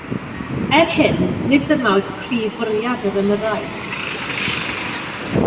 Er hyn, nid dyma oedd prif fwriad yr ymyrraeth